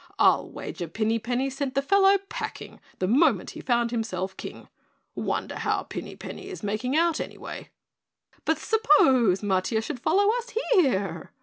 "I'll wager Pinny Penny sent the fellow packing the moment he found himself King. Wonder how Pinny is making out, anyway?" "But suppose Matiah should follow us here?"